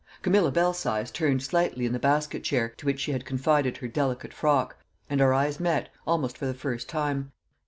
Camilla Belsize turned slightly in the basket chair to which she had confided her delicate frock, and our eyes met almost for the first time.